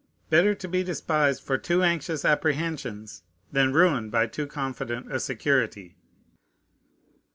Better to be despised for too anxious apprehensions than ruined by too confident a security.